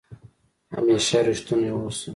همېشه ریښتونی اوسه